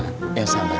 cik emang dia tidur